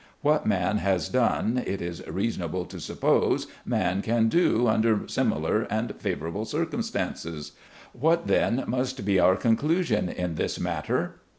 What man has done, it is reasonable to suppose man can do under similar and favorable circumstances. What, then, must be our conclusion in this matter